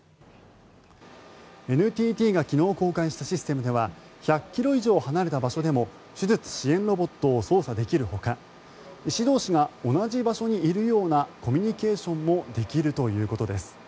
ＮＴＴが昨日公開したシステムでは１００ｋｍ以上離れた場所でも手術支援ロボットを操作できるほか医師同士が同じ場所にいるようなコミュニケーションもできるということです。